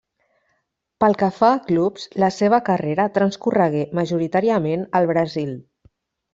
Pel que fa a clubs, la seva carrera transcorregué majoritàriament al Brasil.